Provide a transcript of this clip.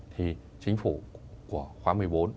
thì chính phủ của khóa một mươi bốn